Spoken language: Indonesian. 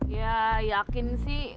ya yakin sih